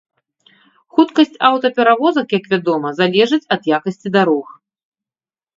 Хуткасць аўтаперавозак, як вядома, залежыць ад якасці дарог.